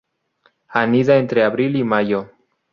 Anida entre abril y mayo.